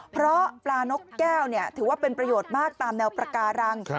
เพราะปลานกแก้วถือว่าเป็นประโยชน์มากตามแนวปาการัง